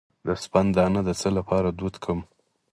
د سپند دانه د څه لپاره دود کړم؟